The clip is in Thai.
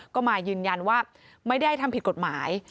ก็มายืนยันว่าไม่ได้ทำผิดกฎหมาย